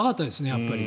やっぱり。